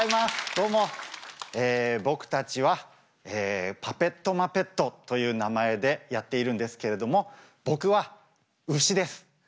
どうも僕たちはパペットマペットという名前でやっているんですけれども僕はうしです。